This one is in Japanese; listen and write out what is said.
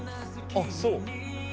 あっそう。